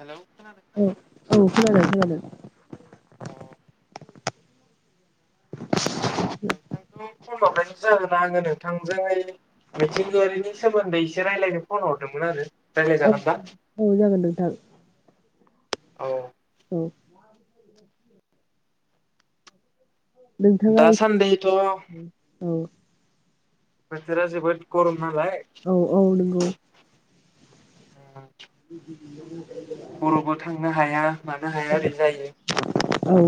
हेल' औ औ [unintelligible] औ [unintelligible] औ दा औ औ जागोन नोंथां औ औ नोंथाङा दासान्दिथ' औ बोथोरा जोबोर [unintelligible] औ औ नांगौ अ [unintelligible] बर'बो थांनो हाया मानो हाया ओरै जायो औ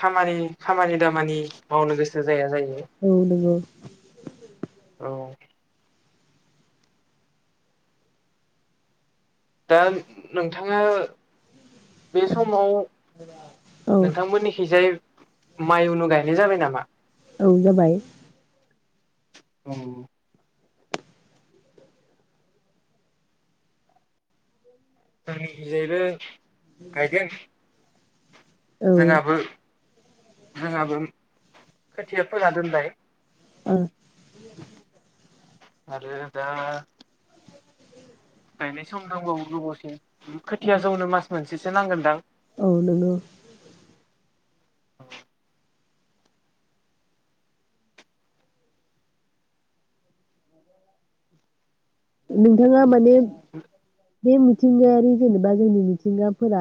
खामानि खामानि दामानि मावनो गोसो जाया जायो औ नंगौ औ दा नोंथाङा बे समाव औ नोंथांमोननिखैजाय माइ उनु गायनाय जाबाय नामा औ जाबाय औ [unintelligible] [unintelligible] दोन औ जोंहाबो जोंहाबो खोथिया फोना दोनबाय औ आरो दा गायनायसम दांबाव गोबावसिम खोथिया जौनो मास मोन बेसेसो नांगोनदां औ नंगौ [unintelligible] नोंथाङा माने बे मिथिंगायारि जेनेबा जोंनि मिथिंगाफोरा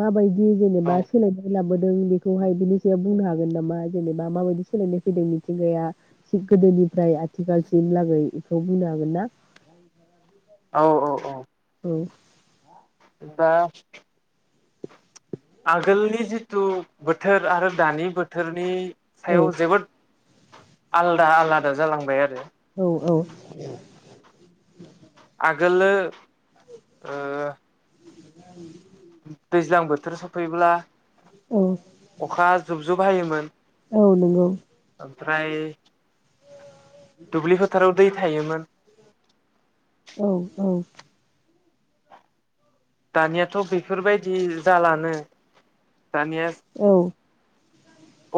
माबायदि औ जेनेबा सोलायबाय लाबो नों बेखौहाय बिनि सायाव बुंनो हागोन नामा जेनेबा माबायदि सोलायनाय फैदों मिथिंगाया थिग गोदोनिफ्राय आथिखालसिम लागै बेखौ बुंनो हागोन ना? औ औ औ। औ। दा आगोलनि जिथु बोथोर आरो दानि बोथोरनि सायाव औ जोबोर आलदा आलादा जालांबाय आरो औ औ। आगोलो ओ [unintelligible] दैज्लां बोथोर सफैयोब्ला औ अखा जुब जुब हायोमोन। औ नंगौ। उमफ्राय दुब्लि फोथाराव दै थायोमोन। औ औ। दानियाथ' बेफोरबायदि जालानो दानिया औ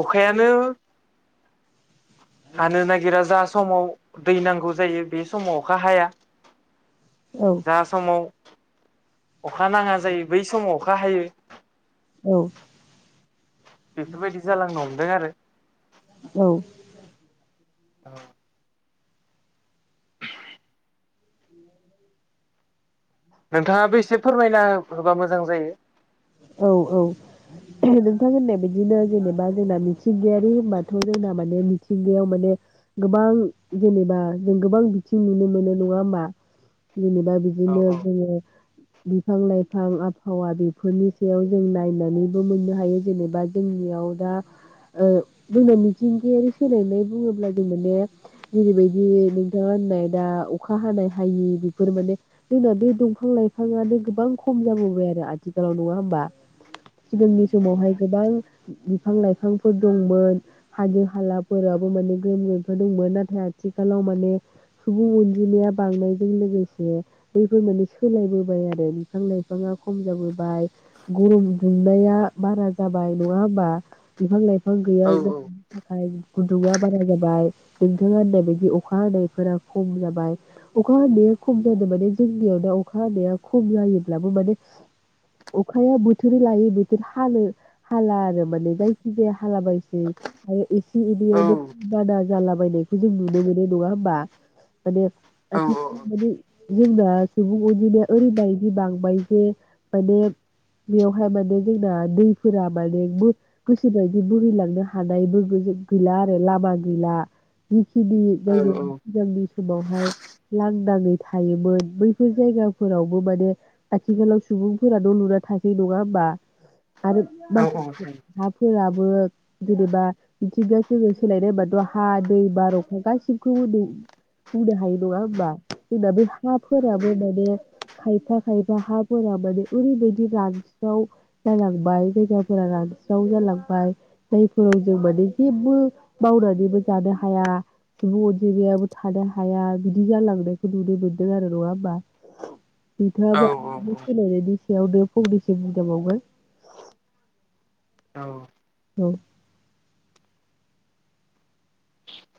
अखायानो हानो नागिरा जा समाव दै नांगौ जायो बे समाव अखा हाया औ जा समाव अखा नाङा जायो बै समाव अखा हायो। बेफोरबायदि जालांनो हमदों आरो औ। औ। नोंथाङाबो एसे फोरमायना हो-होबा मोजां जायो। औ औ नोंथां होननाय बिदिनो जेनेबा जोंना मिथिंगायारि होनबाथ' जोंना माने मिथिंगायाव माने गोबां जेनेबा जों गोबां बिथिं नुनो मोनो नङा होमबा? जेनेबा औ बिदिनो जोङो बिफां लाइफां आबहावा बि फोरनि सायाव जों नायनानैबो मोननो हायो जेनेबा जोंनियाव दा जोंना मिथिंगायारि सोलायनाय बुङोब्ला जों माने जेरैबायदि नोंथाङा होननाय दा अखा हानाय हायि बेफोर माने जोंना बे दंफां लाइफाङानो गोबां खम जाबोबबाय आरो आथिखालाव नङा होमबा? सिगांनि समावहाय गोबां बिफां लाइफांफोर दंमोन हाजो हालाफोराबो माने गोम गोम दंमोन नाथाय आथिखालाव माने सुबुं अनजिमाया बांनायजों लोगोसे बैफोर माने सोलायबोबाय आरो बिफां लाइफाङा खम जाबो बाय गरम दुंनाया बारा जाबाय नङा होनबा? बिफां लाइफां बिफां गैया औ जाहोननि थाखाय गुदुङा बारा जाबाय नोंथाङा होननाय बायदि अखा हानायफोरा खम जाबाय। अखा हानाया खम जादों माने जोंनियाव दा अखा हानाया खम जायोब्लाबो माने अखाया बोथोर लायै बोथोर हानो हाला आरो माने जायखिजाया हाला बायसै आरो एसे औ एनैयावनो बाना जालाबायनायखौ जों नुनो मोनो नङा होमबा। माने औ आथिखालाव माने जोंना सुबुं अनजिमाया ओरैबायदि बांबाय जे माने बेयावहाय माने जोंना दैफोरा माने गोसोबायदि बहैलांनो हानायबोबो गैला आरो लामा गैला जिखिनि जायगाया सिगांनि समावहाय लांदाङै थायोमोन बैफोर जायगाफोरावबो माने आथिखालाव सुबुंफोरा न' लुना थासै नङा होमबा। आरो माखासे औ [unintelligible] हाफोराबो जेनेबा मिथिंगाया जोङो सोलायनाय होनबाथ' हा, दै, बार, अखा गासिबखौबो बुंनो हायो नङा होनबा। जोंना बे हाफोराबो माने खायफा खायफा हा [unintelligible] माने ओरैबायदि रानस्राव जालांबाय जायगाफोरा रानस्राव जालांबाय। जायफोराव जों माने जेबो मावनानैबो जानो हाया। सुबुं अनजिमायाबो थानो हाया बिदि जालांनायखौ नुनो मोनदों आरो नङा औ होमबा औ [unintelligible] बेनिसेयावनो फंनैसो बुंजाबावगोन। औ औ।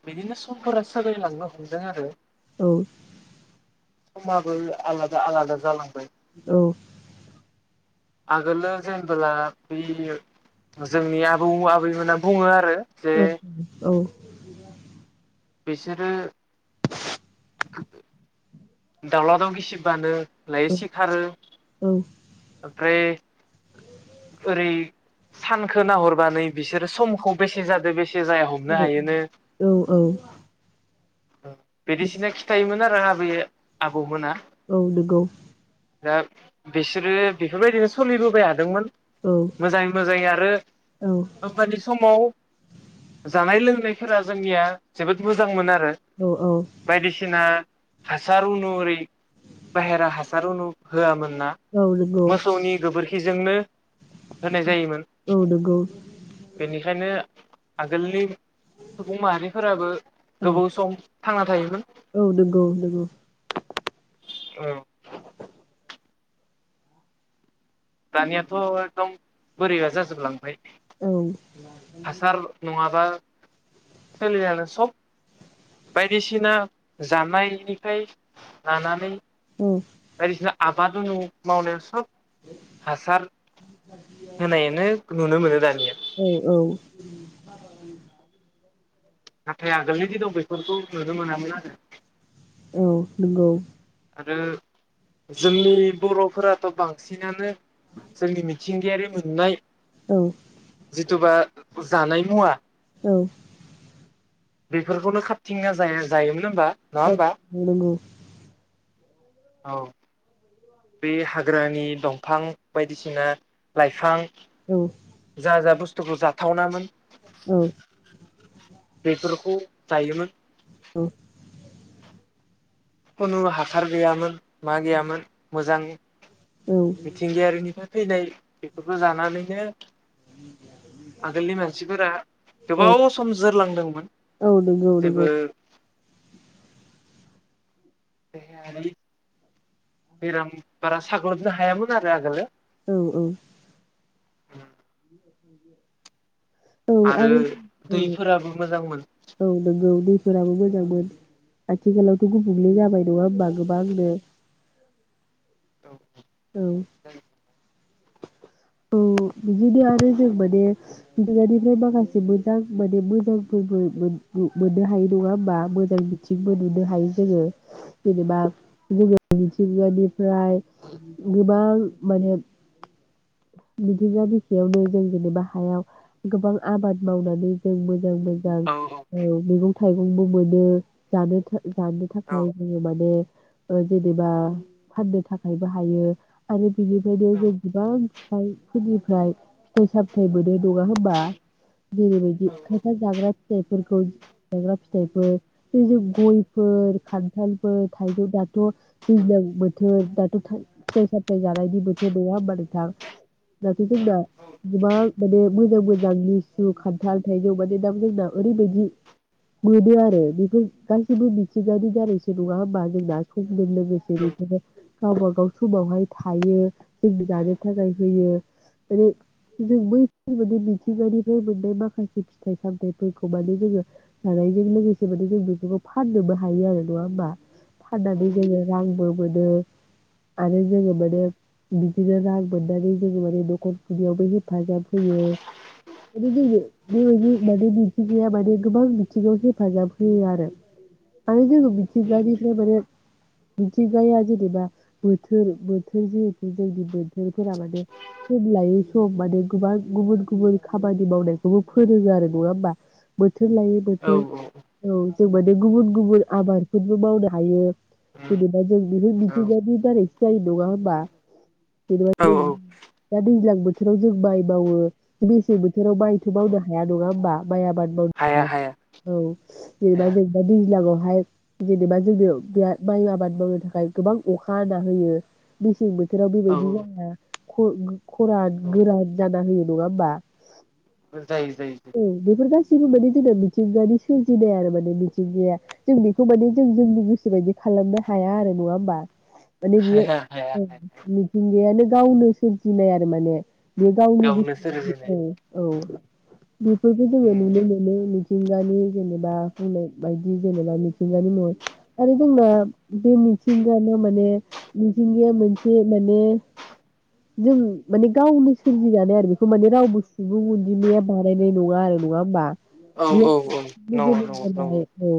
बिदिनो समफोरा सोलायलांनो हमदों आरो। [unintelligible] समाबो आलादा -आलादा जालां औ। आगोलो जेनबोला बे जोंनि आबौ -आबैमोनना बुङो आरो जे औ-औ। बिसोरो [unintelligible] दाउला दाउ गिसिबानो [unintelligible] सिखारो [unintelligible] ओरै सानखो नाहरबानो बिसोरो समखौ बेसे जादो बेसे जाया हमनो हायोनो औ-औ-औ-औ। बिदिसिना खिथायोमो। [unintelligible] आबै -आबौमोना। औ नोंगौ। दा बिसोरो बेफोरबायदिनो सोलिबोबाय थादोंमोन। औ मोजाङै मोजाङै आरो औ हाबानि समाव जानाय -लोंनाय [unintelligible] जोंनिया जोबोद मोजां मोन आरो औ औ [unintelligible] बायदिसिना हासारुनु ओरै बाहेरा हासार उनु होआमोन। औ नंगौ [unintelligible] मोसौनि गोबोरखि [unintelligible] होनाय जायोमोन औ नंगौ बेनिखायनो आगोलनि सुबुं माहारिफोराबो औ गोबाव सम थांना थायो। औ नोंगौ नोंगौ। औ दानियाथ एकदम बोरैबा जाजोबलांबाय। औ हासार नङा बा सोलिलानो सब बायदिसिना जानायनिफ्राय लानानै औ बायदिसिना आख बादुनु मावनायाव सब हासार होनायानो नुनो मोनो दानि। औ औ। नाथाय आगोलनि दिनाव बेफोरखौ नुनो मोनामोन आरो। औ नोंगौ। आरो जोंनि बरफोराथ बांसिनानो जोंनि मिथिंगायारि मोननाय औ जिथुबा जानाय मुवा औ। बेफोरखौनो खाारथिंना जाय जायोमोन होमबा? नङा औ होमबा नंगौ। औ बे हाग्रानि दंफां बायदिसिना लाइफां औ जा जा बुस थुखौ जाथावनामोन उम। बेफोरखौ जायोमोन। उम। खुनु हासार गैयामोन। मा गैयामोन। मोजां औ मिथिंगायारिनिफाय फैनाय बेफोरखौ जानानैनो आगोलनि मानसिफोरा गोबाव सम जोरलांदोंमोन औ नंगौ जेबो नंगौ देहायारि बेराम बारा साग्लोबनो हायामोन आरो आगोलो। औ औ। औ आरो औ दैफोराबो मोजांमोन औ नोंगौ। फोराबो मोजांमोन आथिखालावथ गुबुंले जाबाय नङा होमबा गोबांनो। औ औ। औ बिदिनो आरो जों माने मिथिंगानिफ्राय माखासे मोजां माने मोजांफोरबो मोन-मोननो हाय नङा होमबा मोजां बिथिंबो नुनो हायो जोङो जेनेबा जोङो मिथिंगानिफ्राय गोबां माने मिथिंगा बिखायावनो जों जेनेबा हायाव गोबां आबाद मावनानै जों मोन मोजां मोजां औ औ मेगं थाइबेंबो मोनो जानो था जानो औ थाखाय जोङो माने ओ जेनेबा फाननो थाखायबो हायो आरो बिनिखाइनो जों गोबां आइफोरनिफ्राय फिथाइ साबथाय मोनो नङा होमबा जेरैबायदि खायफा औ जाग्रा फिथा फोरखौ जाग्रा फिथाइफोर बै जे गयफोर खान्थालफोर थाइजौ दा [unintelligible] बोथोर दाथ' थाइ फिथाइ सामथाय जानायनि बोथोर नङा होनबा नोंथां? दाथ' जोंना गोबां माने मोजां मोजां लिसु खान्थाल थाइजौ माने दा जोंना ओरैबायदि मोनो आरो बेफोर गासैबो मिथिंगानि दारैसो नङा होमबा जोंना समजों लोगोसे बेफोरो गावबा गाव समावहाय थायो जों जानो थाखाय। होयो ओरै जों बै माने मिथिंगानिफ्राय मोननाय माखासे फिथाइ सामथफोरखौ माने जोङो जानायजों लोगोसे माने जों बेफोरखौ फाननोबो हायो आरो नङा होमबा फाननानै जोङो रांबो मोनो आरो जोङो माने बिदिनो रां मोन माने जोङो ओरै नखर खुंनायावबो हेफाजाब होयो माने जोङो बेबायदि माने मिथिगाया माने गोबां बिथिङाव हेफाजाब होयो आरो माने जोङो। मिथिंगानिफ्राय मोनो मिथिंगाया जेनेबा बोथोर बोथोर जिहेथु जोंनि बोथोर फोरा माने सम लायै सम माने गोबां गुबुन गुबुन खामानि मावनायखौबो फोरोङो आरो नङा होमबा बो बोथोर लायो बोथोर औ। जों माने गुबुन गुबुन आबादफोरबो मावनो हायो। औ जेनेबा जों बेखौ औ मिथिंगानि दारै जायो नङा होनबा? दा औ दैज्लां बो बोथोराव जों माइ मावो मेसें बो बोथोराव मायथ' औ मावनो हाया नङा होमबा। माइ आबाद मावनो हाया औ जेनेबा हाया जेनेबा दैज्लाङाव बाहाय जेनेबा जोंयाव बेराद माइ आबाद मावनो थाखाय गोबां अखा हा होयो मेसें बो बोथोराव औ बेबायदि जाया। खुरग खरान औ गोरान जाना होयो। नङा होमबा? जायो जायो जेरैबादि जोंना मिथिंगानि सोरजिनाय आरो माने मिथिंगाया जों बेखौ माने जों जोंनि गोसोबायदि खालामनो हाया आरो नङा होमबा? माने बियो हाया हाया ओ हाया मिथिंगायानो गावनो सोरजिनाय आरो माने बेयो गावनि गोस गावनो सोरजिनाय औ औ बेफोरखौ जोङो उम नुनो मोनो मिथिंगानि जेनेबा बुंनाय बायदि जेनेबा मिथिंगानि मुङै आरो जोंना बे मिथिंगानो माने मिथिंगाया मोनसे माने जों माने गावनो सोरजिनानै आरो बेखौ माने रावबो सुबुं अनजिमाया बानायनाय नङा आरो नङा होमबा औ औ औ नंगौ नंगौ नंगौ [unintelligible]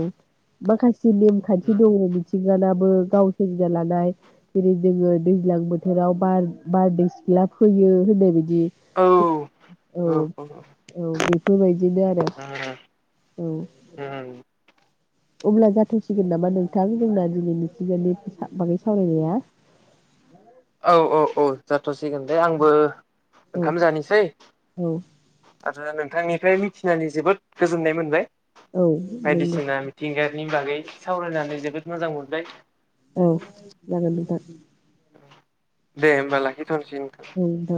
माखास जि नेमखान्थि उम दङ मिथिंगाना बो गाव सोरजिना लानाय जेरै जोङो दैज्लां बोथोराव बार बारदै सिख्ला‌ फैयो होननाय बायदि। औ औ औ बेफोरबायदि बिदिनो आरो औ उम अब्ला जाथ'सिगोन नामा नोंथां जोंना दिनै मिथिंगानि बागै सावरायनाया औ औ औ ज थ'सिगोन दे आंबो औ ओंखाम जानोसै। औ आदसा नोंथां निफ्राय मिथिनानै जोबोद गोजोन्नाय मोनबाय। औ नोंगौ। नि बागै सावरायनानै जोबोद मोजां मोनबाय। औ जागोन नोंथां। दे होमबा लाखि [unintelligible] औ नोंथां